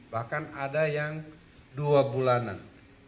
bahkan ada yang dua bulanan